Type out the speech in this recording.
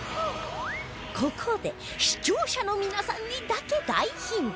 ここで視聴者の皆さんにだけ大ヒント